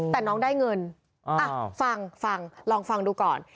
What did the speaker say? แต่น้องได้เงินฟังฟังลองฟังดูก่อน